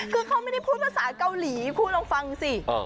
คือเขาไม่ได้พูดภาษาเกาหลีคุณลองฟังสิ